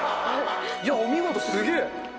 いや、お見事、すげえ。